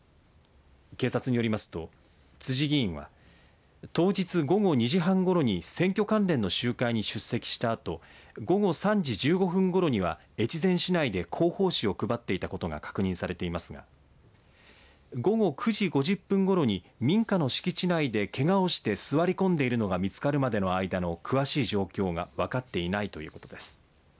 警察によりますと辻議員は当日午後２時半ごろに選挙関連の集会に出席したあと午後３時１５分ごろには越前市内で広報誌を配っていたことが確認されていますが午後９時５０分ごろに民家の敷地内でけがをして座り込んでいるのが見つかるまでの間の詳しい状況が分かっていないということです。